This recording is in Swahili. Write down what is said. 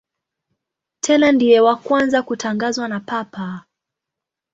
Tena ndiye wa kwanza kutangazwa na Papa.